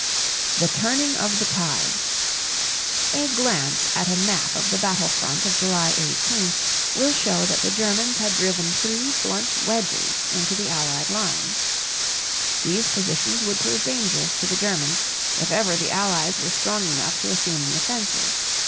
THE TURNING OF THE TIDE. A glance at a map of the battle front of July 18 will show that the Germans had driven three blunt wedges into the Allied lines. These positions would prove dangerous to the Germans if ever the Allies were strong enough to assume the offensive.